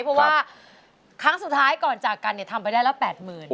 เพราะว่าครั้งสุดท้ายก่อนจากกันเนี่ยทำไปได้ละ๘๐๐๐บาท